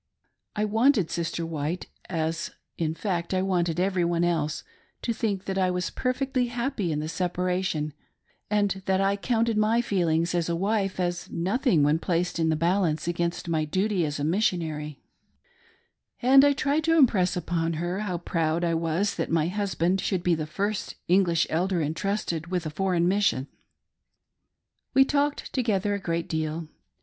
I wanted Sister White, as in fact I wanted everyone else, to think that I was perfectly happy in the separation, and that I counted my feelings as a wife as nothing when placed in the balance against my duty as a missionary, and I tried to impress upon her how proud I was that my husband should be the first English Elder entrusted with a foreign mission. We talked together a great deal.